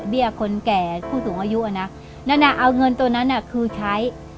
คนแก่ผู้สูงอายุอ่ะนะนั่นอ่ะเอาเงินตัวนั้นคือใช้